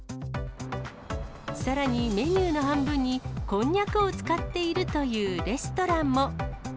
さらに、メニューの半分にこんにゃくを使っているというレストランも。